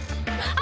あ。